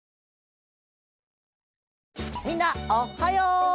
みんなおっはよう！